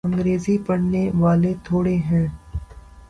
انگریزی پڑھنے والے تھوڑے ہیں۔